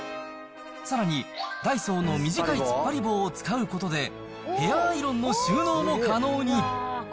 さらに、ダイソーの短いつっぱり棒を使うことで、ヘアアイロンの収納も可能に。